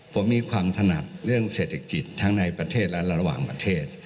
ผมมีความถนัดเรื่องเศรษฐกิจทั้งในประเทศและระหว่างประเทศ